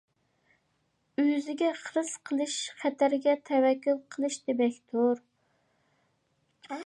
ئۆزىگە خىرىس قىلىش خەتەرگە تەۋەككۈل قىلىش دېمەكتۇر.